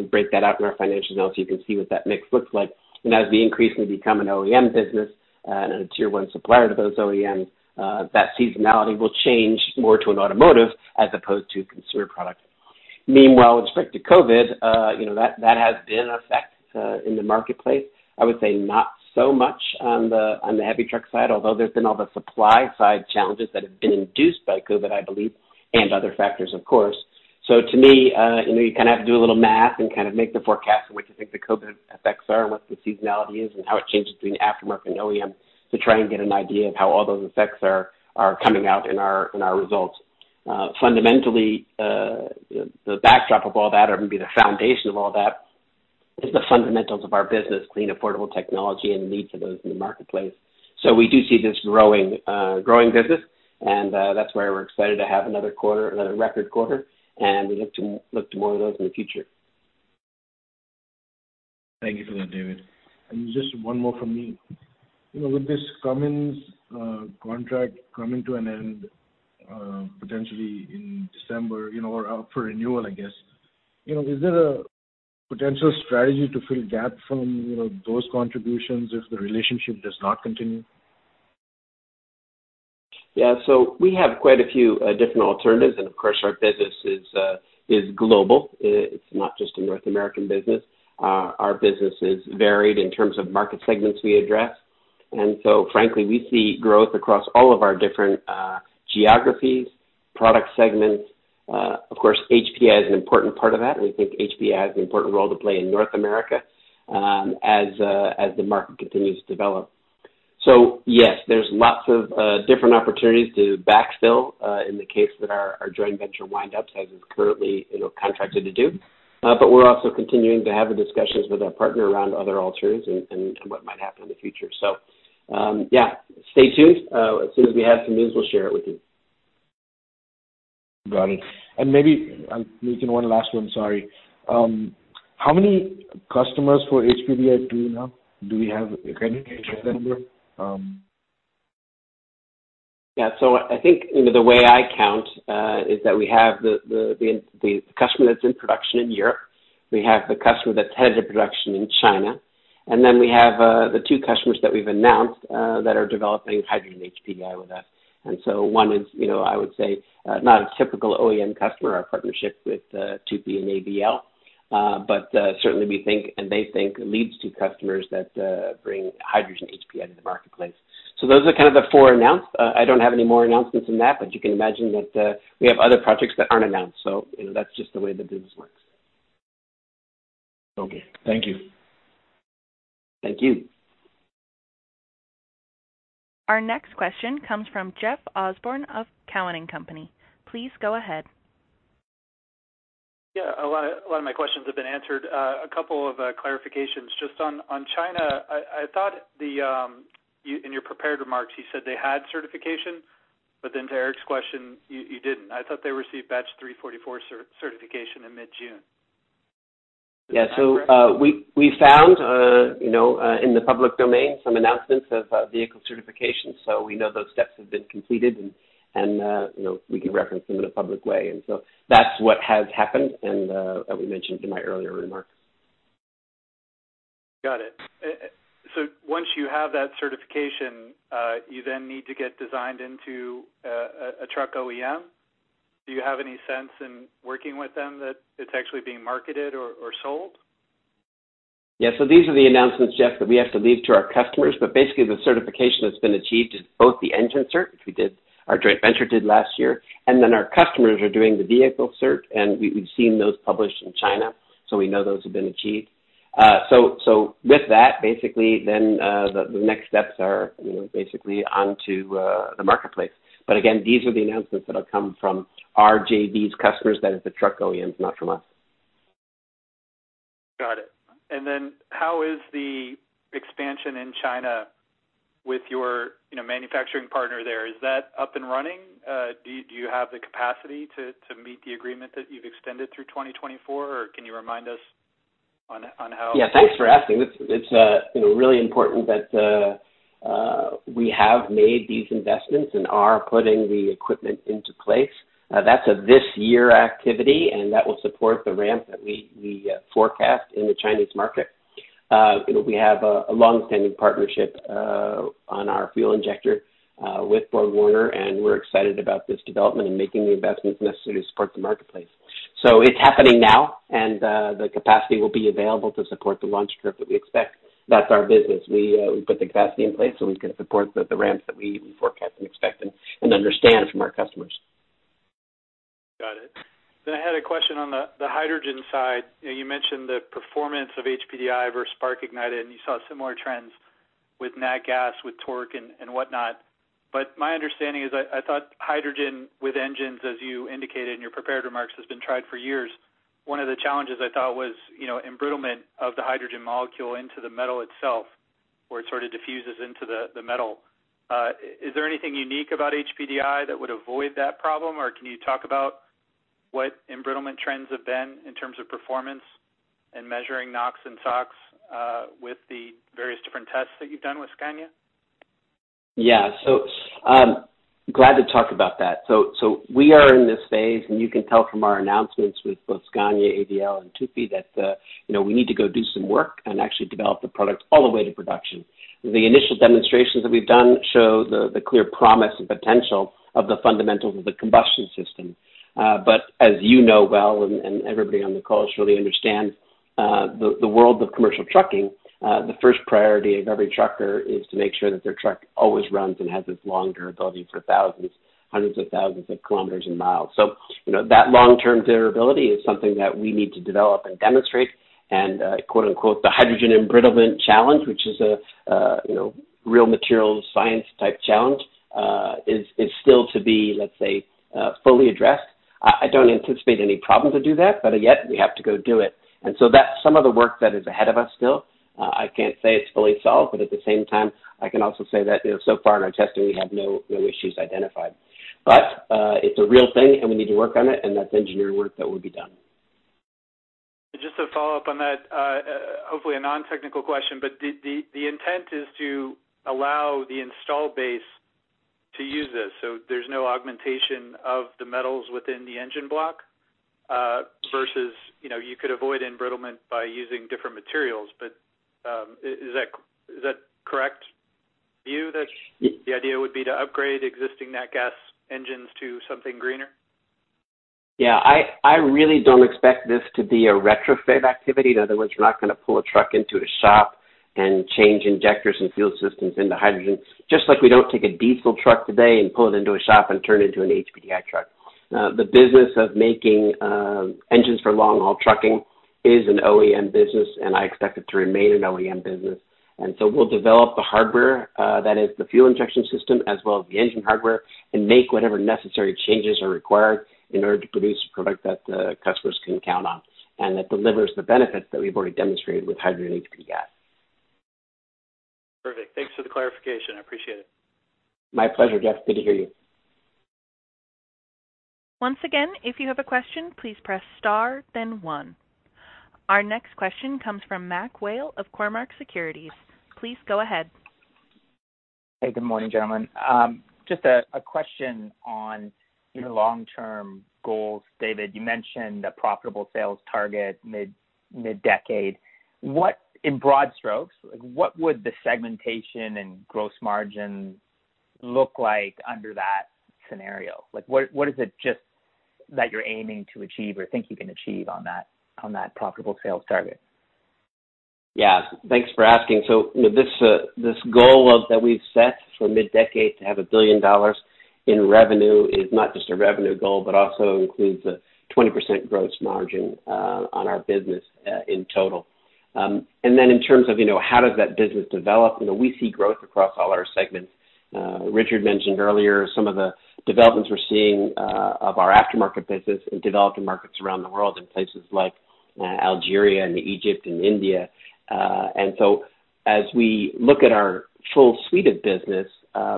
Speaker 3: We break that out in our financials, so you can see what that mix looks like. As we increasingly become an OEM business and a tier one supplier to those OEMs, that seasonality will change more to an automotive as opposed to consumer product. Meanwhile, with respect to COVID, that has been an effect in the marketplace. I would say not so much on the heavy truck side, although there's been all the supply side challenges that have been induced by COVID, I believe, and other factors, of course. To me, you kind of have to do a little math and kind of make the forecast of what you think the COVID effects are and what the seasonality is and how it changes between aftermarket and OEM to try and get an idea of how all those effects are coming out in our results. Fundamentally, the backdrop of all that, or maybe the foundation of all that, is the fundamentals of our business, clean, affordable technology, and leads to those in the marketplace. We do see this growing business, and that's why we're excited to have another record quarter, and we look to more of those in the future.
Speaker 8: Thank you for that, David. Just one more from me. With this Cummins contract coming to an end, potentially in December, or up for renewal, I guess, is there a potential strategy to fill gap from those contributions if the relationship does not continue?
Speaker 3: Yeah. We have quite a few different alternatives, and of course, our business is global. It's not just a North American business. Our business is varied in terms of market segments we address. Frankly, we see growth across all of our different geographies, product segments. Of course, HPDI is an important part of that, and we think HPDI has an important role to play in North America as the market continues to develop. Yes, there's lots of different opportunities to backfill in the case that our joint venture winds up as is currently contracted to do. We're also continuing to have the discussions with our partner around other alternatives and what might happen in the future. Yeah, stay tuned. As soon as we have some news, we'll share it with you.
Speaker 8: Got it. Maybe one last one, sorry. How many customers for HPDI do you have now? Do we have number?
Speaker 3: Yeah. I think the way I count is that we have the customer that's in production in Europe. We have the customer that's headed to production in China. We have the two customers that we've announced that are developing hydrogen HPDI with us. One is, I would say, not a typical OEM customer, our partnership with Tupy and AVL. Certainly we think, and they think, leads to customers that bring hydrogen HPDI to the marketplace. Those are kind of the four announced. I don't have any more announcements than that, but you can imagine that we have other projects that aren't announced. That's just the way the business works.
Speaker 8: Okay. Thank you.
Speaker 3: Thank you.
Speaker 1: Our next question comes from Jeff Osborne of Cowen and Company. Please go ahead.
Speaker 9: Yeah. A lot of my questions have been answered. A couple of clarifications. Just on China, I thought in your prepared remarks, you said they had certification, but then to Eric's question, you didn't. I thought they received batch 344 certification in mid-June.
Speaker 3: Yeah. We found, in the public domain, some announcements of vehicle certification. We know those steps have been completed, and we can reference them in a public way. That's what has happened, and that we mentioned in my earlier remarks.
Speaker 9: Got it. Once you have that certification, you then need to get designed into a truck OEM. Do you have any sense in working with them that it's actually being marketed or sold?
Speaker 3: Yeah. These are the announcements, Jeff, that we have to leave to our customers. Basically, the certification that's been achieved is both the engine cert, which our joint venture did last year, and then our customers are doing the vehicle cert, and we've seen those published in China, so we know those have been achieved. With that, basically, then the next steps are basically onto the marketplace. Again, these are the announcements that'll come from our JV's customers, that is the truck OEMs, not from us.
Speaker 9: How is the expansion in China with your manufacturing partner there? Is that up and running? Do you have the capacity to meet the agreement that you've extended through 2024? Can you remind us on how-
Speaker 3: Yeah, thanks for asking. It's really important that we have made these investments and are putting the equipment into place. That's a this year activity, and that will support the ramp that we forecast in the Chinese market. We have a longstanding partnership on our fuel injector with BorgWarner, and we're excited about this development and making the investments necessary to support the marketplace. It's happening now, and the capacity will be available to support the launch curve that we expect. That's our business. We put the capacity in place so we can support the ramps that we forecast and expect and understand from our customers.
Speaker 9: Got it. I had a question on the hydrogen side. You mentioned the performance of HPDI versus spark ignited, and you saw similar trends with nat gas, with torque and whatnot. My understanding is, I thought hydrogen with engines, as you indicated in your prepared remarks, has been tried for years. One of the challenges I thought was, embrittlement of the hydrogen molecule into the metal itself, where it sort of diffuses into the metal. Is there anything unique about HPDI that would avoid that problem? Can you talk about what embrittlement trends have been in terms of performance and measuring NOx and SOx with the various different tests that you've done with Scania?
Speaker 3: Yeah. Glad to talk about that. We are in this phase, and you can tell from our announcements with both Scania, AVL, and Tupy we need to go do some work and actually develop the product all the way to production. The initial demonstrations that we've done show the clear promise and potential of the fundamentals of the combustion system. As you know well, and everybody on the call surely understands, the world of commercial trucking, the first priority of every trucker is to make sure that their truck always runs and has this long durability for thousands, hundreds of thousands of kilometers and miles. That long-term durability is something that we need to develop and demonstrate. Quote, unquote, "the hydrogen embrittlement challenge," which is a real materials science type challenge, is still to be, let's say, fully addressed. I don't anticipate any problem to do that, but yet we have to go do it. That's some of the work that is ahead of us still. I can't say it's fully solved, but at the same time, I can also say that so far in our testing, we have no issues identified. It's a real thing, and we need to work on it, and that's engineering work that will be done.
Speaker 9: Just to follow up on that, hopefully a non-technical question, but the intent is to allow the installed base to use this, so there's no augmentation of the metals within the engine block versus you could avoid embrittlement by using different materials. Is that correct view that the idea would be to upgrade existing nat gas engines to something greener?
Speaker 3: Yeah. I really don't expect this to be a retrofit activity. In other words, we're not going to pull a truck into a shop and change injectors and fuel systems into hydrogen. Just like we don't take a diesel truck today and pull it into a shop and turn it into an HPDI truck. The business of making engines for long-haul trucking is an OEM business, and I expect it to remain an OEM business. We'll develop the hardware that is the fuel injection system as well as the engine hardware and make whatever necessary changes are required in order to produce a product that customers can count on and that delivers the benefits that we've already demonstrated with hydrogen HPDI.
Speaker 9: Perfect. Thanks for the clarification. I appreciate it.
Speaker 3: My pleasure, Jeff. Good to hear you.
Speaker 1: Once again, if you have a question, please press star then one. Our next question comes from MacMurray Whale of Cormark Securities. Please go ahead.
Speaker 10: Hey, good morning, gentlemen. Just a question on your long-term goals. David, you mentioned a profitable sales target mid-decade. In broad strokes, what would the segmentation and gross margin look like under that scenario? What is it just that you're aiming to achieve or think you can achieve on that profitable sales target?
Speaker 3: Yeah. Thanks for asking. This goal that we've set for mid-decade to have $1 billion in revenue is not just a revenue goal, but also includes a 20% gross margin on our business in total. In terms of how does that business develop, we see growth across all our segments. Richard mentioned earlier some of the developments we're seeing of our aftermarket business in developing markets around the world in places like Algeria and Egypt and India. As we look at our full suite of business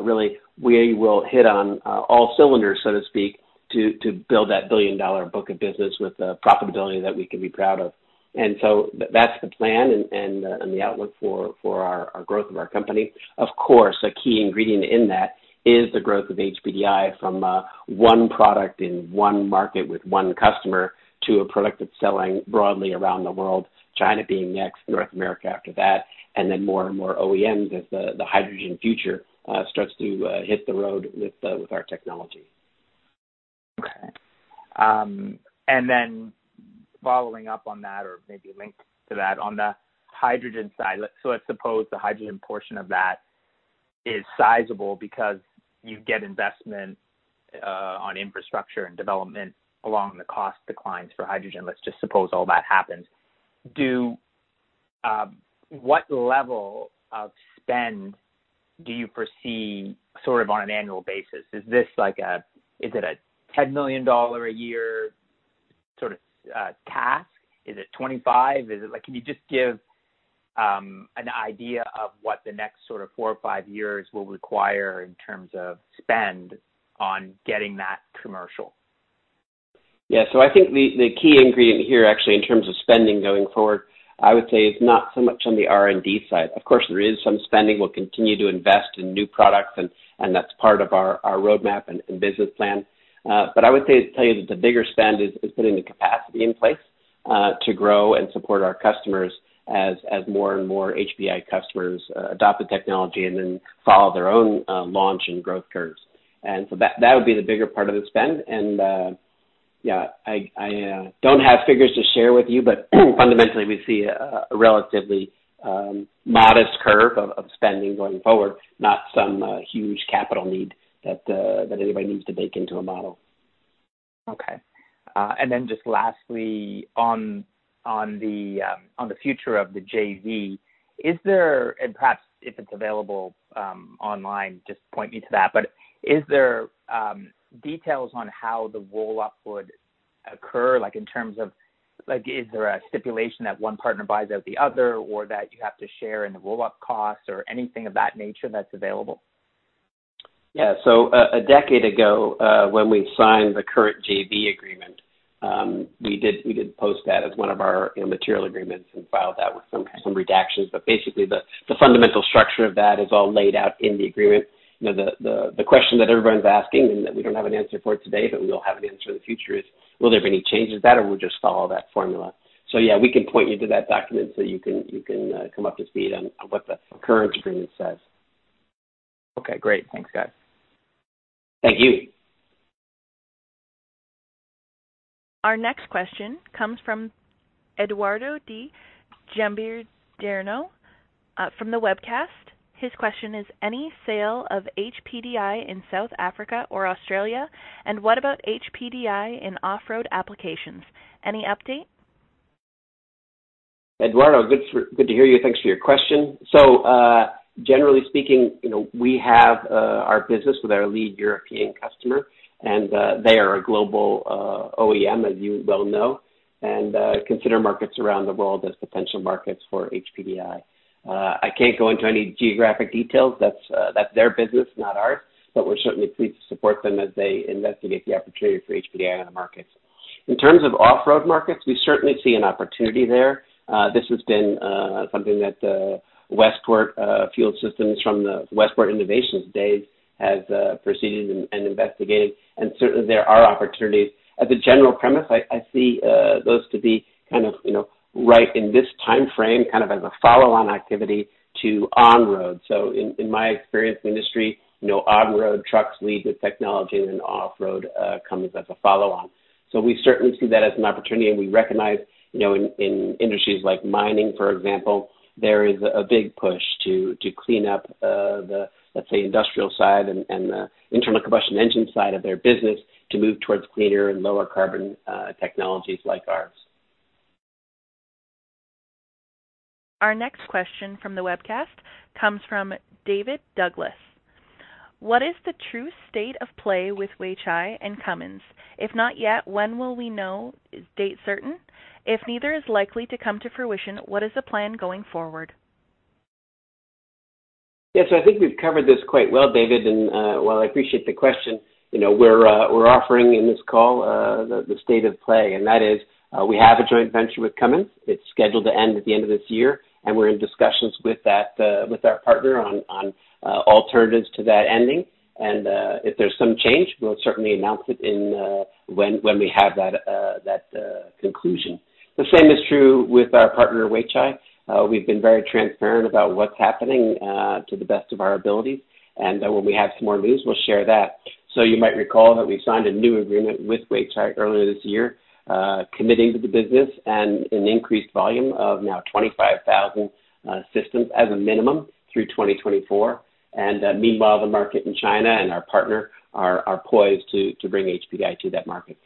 Speaker 3: really we will hit on all cylinders, so to speak, to build that billion-dollar book of business with a profitability that we can be proud of. That's the plan and the outlook for our growth of our company. Of course, a key ingredient in that is the growth of HPDI from one product in one market with one customer to a product that's selling broadly around the world. China being next, North America after that, and then more and more OEMs as the hydrogen future starts to hit the road with our technology.
Speaker 10: Okay. Following up on that, or maybe linked to that, on the hydrogen side. Let's suppose the hydrogen portion of that is sizable because you get investment on infrastructure and development along the cost declines for hydrogen. Let's just suppose all that happens. What level of spend do you perceive sort of on an annual basis, is it a $10 million a year sort of task? Is it $25? Can you just give an idea of what the next sort of four or five years will require in terms of spend on getting that commercial?
Speaker 3: Yeah. I think the key ingredient here, actually, in terms of spending going forward, I would say, is not so much on the R&D side. Of course, there is some spending. We'll continue to invest in new products, and that's part of our roadmap and business plan. But I would tell you that the bigger spend is putting the capacity in place, to grow and support our customers as more and more HPDI customers adopt the technology and then follow their own launch and growth curves. That would be the bigger part of the spend, and yeah, I don't have figures to share with you, but fundamentally, we see a relatively modest curve of spending going forward, not some huge capital need that anybody needs to bake into a model.
Speaker 10: Okay. Just lastly, on the future of the JV, is there, and perhaps if it's available online, just point me to that, but is there details on how the roll-up would occur? Like, is there a stipulation that one partner buys out the other or that you have to share in the roll-up cost or anything of that nature that's available?
Speaker 3: Yeah. A decade ago, when we signed the current JV agreement, we did post that as one of our material agreements and filed that with some redactions. Basically, the fundamental structure of that is all laid out in the agreement. The question that everyone's asking, and that we don't have an answer for today, but we will have an answer in the future, is will there be any changes to that or we'll just follow that formula? Yeah, we can point you to that document so you can come up to speed on what the current agreement says.
Speaker 10: Okay, great. Thanks, guys.
Speaker 3: Thank you.
Speaker 1: Our next question comes from Eduardo D. Jambirdarno from the webcast. His question is, any sale of HPDI in South Africa or Australia, and what about HPDI in off-road applications? Any update?
Speaker 3: Eduardo, good to hear you. Thanks for your question. Generally speaking, we have our business with our lead European customer, and they are a global OEM, as you well know, and consider markets around the world as potential markets for HPDI. I can't go into any geographic details. That's their business, not ours. We're certainly pleased to support them as they investigate the opportunity for HPDI on the markets. In terms of off-road markets, we certainly see an opportunity there. This has been something that Westport Fuel Systems from the Westport Innovations days has proceeded and investigated, and certainly there are opportunities. As a general premise, I see those to be kind of right in this timeframe, kind of as a follow-on activity to on-road. In my experience in the industry, on-road trucks lead with technology and then off-road comes as a follow-on. We certainly see that as an opportunity, and we recognize in industries like mining, for example, there is a big push to clean up the industrial side and the internal combustion engine side of their business to move towards cleaner and lower carbon technologies like ours.
Speaker 1: Our next question from the webcast comes from David Douglas. What is the true state of play with Weichai and Cummins? If not yet, when will we know? Is date certain? If neither is likely to come to fruition, what is the plan going forward?
Speaker 3: Yes, I think we've covered this quite well, David, and while I appreciate the question, we're offering in this call the state of play, and that is, we have a joint venture with Cummins. It's scheduled to end at the end of this year, and we're in discussions with our partner on alternatives to that ending. If there's some change, we'll certainly announce it when we have that conclusion. The same is true with our partner, Weichai. We've been very transparent about what's happening to the best of our ability, and when we have some more news, we'll share that. You might recall that we signed a new agreement with Weichai earlier this year, committing to the business and an increased volume of now 25,000 systems as a minimum through 2024. Meanwhile, the market in China and our partner are poised to bring HPDI to that market.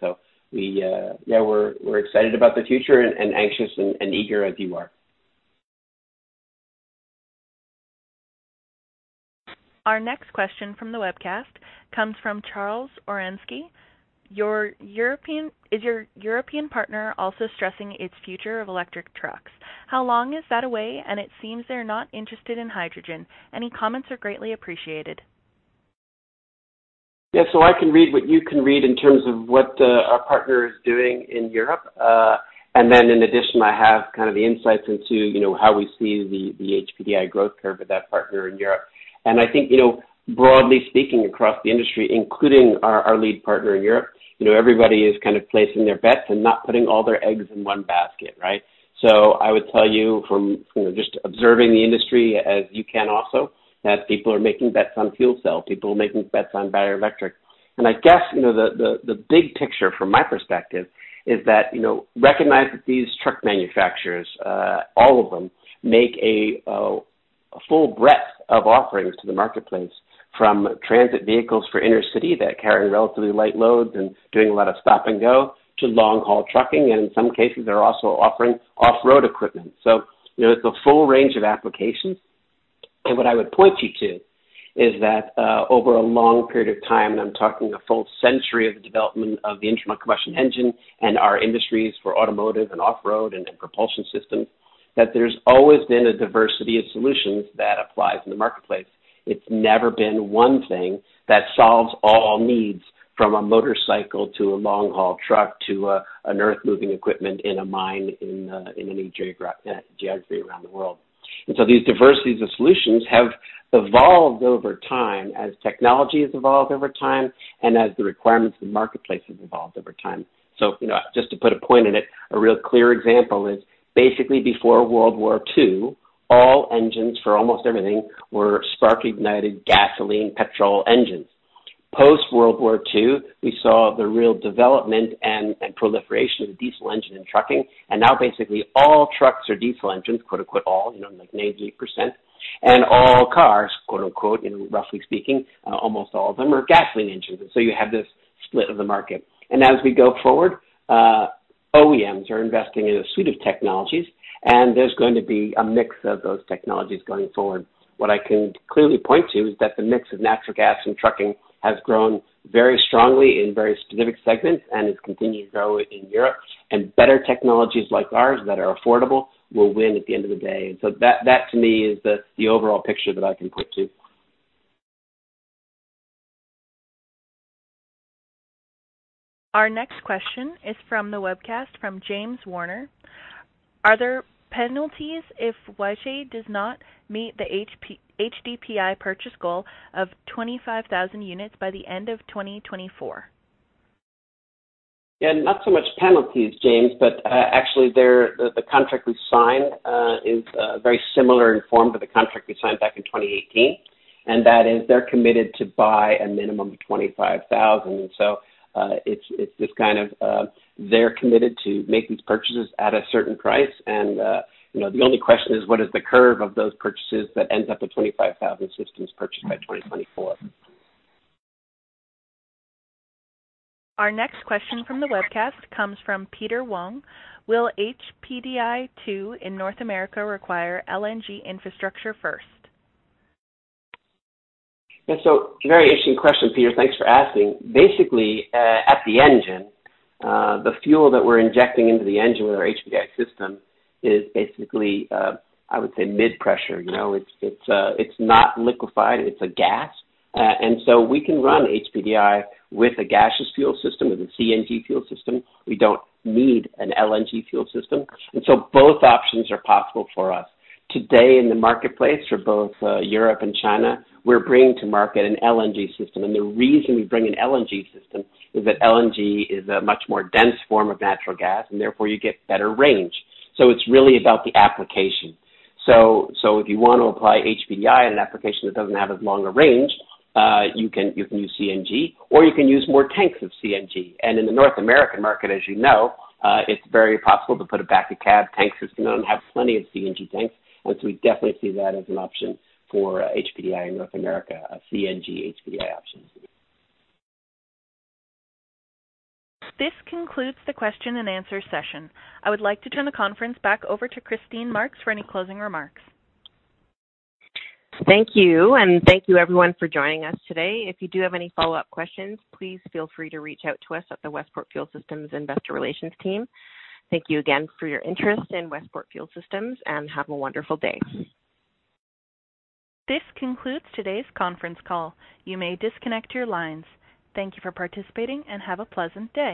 Speaker 3: We're excited about the future and anxious and eager as you are.
Speaker 1: Our next question from the webcast comes from Charles Orensky. Is your European partner also stressing its future of electric trucks? How long is that away? It seems they're not interested in hydrogen. Any comments are greatly appreciated.
Speaker 3: Yeah. I can read what you can read in terms of what our partner is doing in Europe. In addition, I have kind of the insights into how we see the HPDI growth curve with that partner in Europe. I think, broadly speaking, across the industry, including our lead partner in Europe, everybody is kind of placing their bets and not putting all their eggs in one basket, right? I would tell you from just observing the industry as you can also, that people are making bets on fuel cells, people are making bets on battery electric. I guess the big picture from my perspective is that recognize that these truck manufacturers, all of them, make a full breadth of offerings to the marketplace. From transit vehicles for inner city that carry relatively light loads and doing a lot of stop and go to long-haul trucking, and in some cases, they're also offering off-road equipment. There's a full range of applications. What I would point you to is that over a long period of time, and I'm talking a full century of the development of the internal combustion engine and our industries for automotive and off-road and propulsion systems, that there's always been a diversity of solutions that applies in the marketplace. It's never been one thing that solves all needs, from a motorcycle to a long-haul truck to an earth-moving equipment in a mine in any geography around the world. These diversities of solutions have evolved over time as technology has evolved over time and as the requirements of the marketplace have evolved over time. Just to put a point in it, a real clear example is basically before World War II, all engines for almost everything were spark-ignited gasoline, petrol engines. Post-World War II, we saw the real development and proliferation of the diesel engine in trucking. Now basically all trucks are diesel engines, quote-unquote all, like 98%, and all cars, quote-unquote, roughly speaking, almost all of them are gasoline engines. You have this split of the market. As we go forward, OEMs are investing in a suite of technologies, and there's going to be a mix of those technologies going forward. What I can clearly point to is that the mix of natural gas in trucking has grown very strongly in very specific segments and has continued to grow in Europe. Better technologies like ours that are affordable will win at the end of the day. That to me is the overall picture that I can point to.
Speaker 1: Our next question is from the webcast from James Warner. Are there penalties if Weichai does not meet the HPDI purchase goal of 25,000 units by the end of 2024?
Speaker 3: Yeah, not so much penalties, James, but actually the contract we signed is very similar in form to the contract we signed back in 2018, and that is they're committed to buy a minimum of 25,000. It's this kind of, they're committed to make these purchases at a certain price, and the only question is what is the curve of those purchases that ends up at 25,000 systems purchased by 2024.
Speaker 1: Our next question from the webcast comes from Peter Wong. Will HPDI 2 in North America require LNG infrastructure first?
Speaker 3: Yeah, very interesting question, Peter. Thanks for asking. Basically, at the engine, the fuel that we're injecting into the engine with our HPDI system is basically, I would say mid-pressure. It's not liquefied. It's a gas. We can run HPDI with a gaseous fuel system, with a CNG fuel system. We don't need an LNG fuel system. Both options are possible for us. Today in the marketplace for both Europe and China, we're bringing to market an LNG system. The reason we bring an LNG system is that LNG is a much more dense form of natural gas, and therefore you get better range. It's really about the application. If you want to apply HPDI in an application that doesn't have as long a range, you can use CNG or you can use more tanks of CNG. In the North American market, as you know, it's very possible to put a back-of-cab tank system on and have plenty of CNG tanks. We definitely see that as an option for HPDI in North America, a CNG HPDI option.
Speaker 1: This concludes the question and answer session. I would like to turn the conference back over to Christine Marks for any closing remarks.
Speaker 2: Thank you, and thank you everyone for joining us today. If you do have any follow-up questions, please feel free to reach out to us at the Westport Fuel Systems investor relations team. Thank you again for your interest in Westport Fuel Systems, and have a wonderful day.
Speaker 1: This concludes today's conference call. You may disconnect your lines. Thank you for participating, and have a pleasant day.